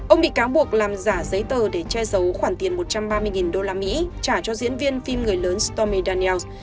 ông bị cáo buộc làm giả giấy tờ để che giấu khoản tiền một trăm ba mươi usd trả cho diễn viên phim người lớn stomy dannels